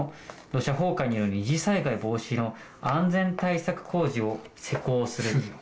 「土砂崩壊による二次災害防止の」「安全対策工事を施工する」